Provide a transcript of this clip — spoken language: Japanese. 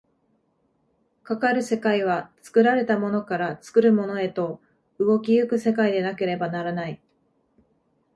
かかる世界は作られたものから作るものへと動き行く世界でなければならない。